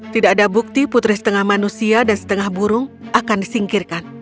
tidak ada bukti putri setengah manusia dan setengah burung akan disingkirkan